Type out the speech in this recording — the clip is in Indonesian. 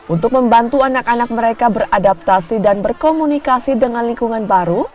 untuk membantu anak anak mereka beradaptasi dan berkomunikasi dengan lingkungan baru